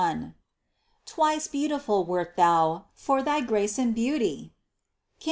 Twice beautiful wert Thou, for thy grace and beauty! (Cant.